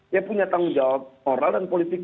dia punya tanggung jawab moral dan politik